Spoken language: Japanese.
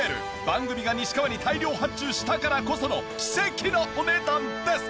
番組が西川に大量発注したからこその奇跡のお値段です！